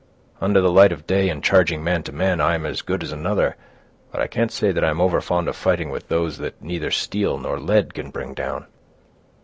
"Under the light of day, and charging man to man, I am as good as another; but I can't say that I'm overfond of fighting with those that neither steel nor lead can bring down."